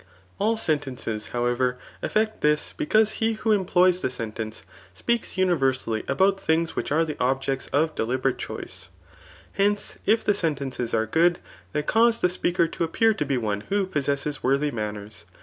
All sentences^ however, ^hct this, becamse he who employs the sentence, speaks umversaUy about things which are the objects of ddtiberate choice* Hence, if the sentences are good, they cause .the qoeaker lo appear to be one who possesses worthy manners.